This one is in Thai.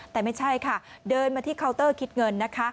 แต่ไม่ใช่ค่ะเดินมาที่เคาน์เตอร์คิดเงินนะคะ